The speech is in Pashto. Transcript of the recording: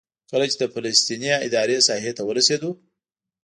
کله چې د فلسطیني ادارې ساحې ته ورسېدو.